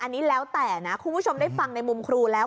อันนี้แล้วแต่นะคุณผู้ชมได้ฟังในมุมครูแล้ว